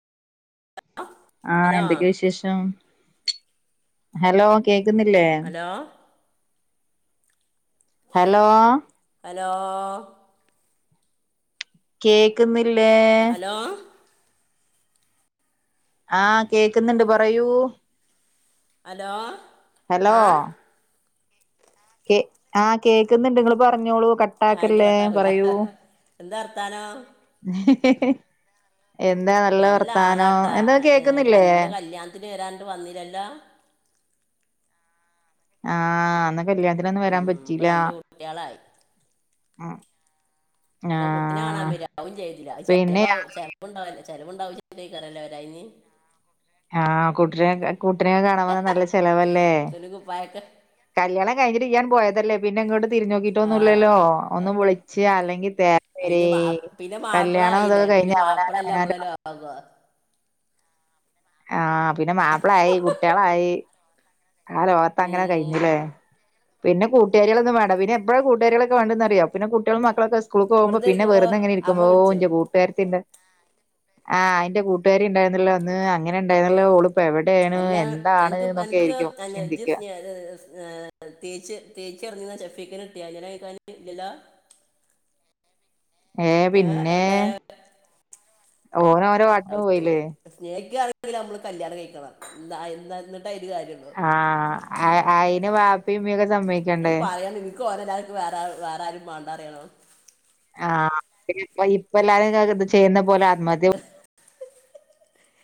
ആഹ് hello എന്തൊക്കെയ വിശേഷം hello കേക്ക് ക്ക്ന്നില്ലേ ഹലോ ഹലോ ഹലോ കേക്ക്ന്നില്ലേ ഹലോ ആഹ് കേക്ക്ന്ന്ണ്ട് പറയൂ അലോ ഹലോ ആഹ് കേ ആഹ് കേക്കുന്നുണ്ട് നിങ്ങളു പറ പറഞ്ഞോളൂ അയില് കട്ടാക്കല്ലേ കട്ടാക്കൂല പറയൂ എന്താ വർത്താനം എഹെ നല്ല ആളാട്ടാ ഏ കേക്കുന്നില്ലേ കല്ലിൻ്റെ കല്ല്യൺത്തിന് വരാർഞ്ഞിട്ട് വന്നില്ലല്ലോ ആ അന്ന് കല്യാണത്തിനൊന്നും വരാൻ ഉം ഇപ്പൊ പറ്റീല രണ്ട് കുട്ടികളായി ആ ഇന്നു കുട്ടനാണാവെര ഒവും ചെയ്തില്ല പിന്നെ ചെൽപ്പം ചെൽപ്പുണ്ടാവില്ല ചെലവിണ്ടാവുംചിട്ടാവും ലേ വെരാഞ്ഞെ ആ കുട്ട്രേ [unintelligible] കുട്ട്നെ കാണാൻ വന്ന നല്ല ചെലവല്ലേ ഇതൊരു കുപ്പായൊക്കെ കല്ല്യാണം കഴിഞ്ഞിട്ട് ഇയ്യ പോയതല്ലേ പിന്നിങ്ങോട്ടു ആ തിരിഞ്ഞോക്കീട്ടൊന്നുല്ലല്ലോ ഒന്ന് വിളിച്ച അല്ലെങ്കിൽ വര അതിന് മാ [unintelligible] പിന്നെ മാപ്പിള കല്യാണം ആയില്ലേ അതൊക്കെ ക പിന്നെ കഴിഞ്ഞ അവനാന് മാപ്പിളല്ല അവനാൻ്റ നമ്മളെ ലോകം ആ പിന്നെ മാപ്പളായി കുട്ട്യാളായി ആ ലോകത്തങ്ങനെ ഉം കഴിഞ്ഞില്ലേ പിന്നെ കൂട്ടാര്യേളൊന്നും വേണ്ട പിന്നെപ്പഴാ കൂട്ടാര്യാളൊക്കെ വേണ്ടന്നറിയോ പിന്നെ കുട്ടികും മക്കളൊക്കെ സ്കൂൾക്കു പോകുമ്പം പിന്നെ ഇരിക്കുമ്പോ വെറുതെ ഇങ്ങനിരിക്കുമ്പോ അപ്പൊ ഓ വിളിച്ചു ഇന്റെ കൂട്ടുകാരത്തിന്റെ ആ അയിന്റെ കൂട്ടുകാരി ഇണ്ടായിരു ന്നല്ലോ അന്ന് അങ്ങനെ ഉണ്ടായിരുന്നല്ലോ ഓളു അല്ല അൻക്ക് അൻക്ക് ആയിരിക്കും ചിന്തിക്ക [unintelligible] തേച്ച് തേച്ചിറങ്ങ [unintelligible] ഇല്ലല്ലോ ഏ പിന്നേ ഓനോരോ ആട്ടിനെ പോയില്ലേ ല്ല അമ്മള് കല്യാണം കഴിക്കണെ [unintelligible] ആ അ അയിന് വാപ്പേം മികത് - അത് പറയണ് ഇൻക്ക് ഓനല്ലാതെ വേറാരും വേറാരും വേണ്ടാറിയണു ആ ഇപ്പ ഇപ്പം എല്ലാരും ചെയ്യുന്ന പോലെ ആത്മഹത്യ